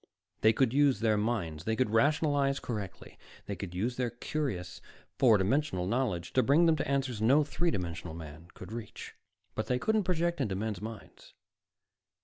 They could use their minds; they could rationalize correctly; they could use their curious four dimensional knowledge to bring them to answers no three dimensional man could reach. _But they couldn't project into men's minds!